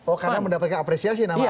oh karena mendapatkan apresiasi namanya